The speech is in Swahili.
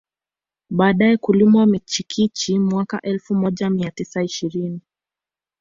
Baadae kulimwa michikichi mwaka elfu moja mia tisa ishirini